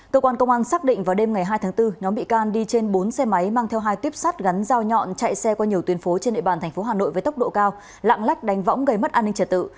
cơ quan công an xác định vào đêm ngày hai tháng bốn nhóm bị can đi trên bốn xe máy mang theo hai tuyếp sắt gắn dao nhọn chạy xe qua nhiều tuyến phố trên địa bàn tp hà nội với tốc độ cao lạng lách đánh võng gây mất an ninh trật tự